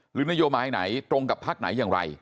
หรือนโยบายไหนตรงกับภาคไหนอย่างไร